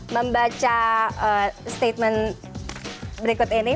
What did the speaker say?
membaca statement berikut ini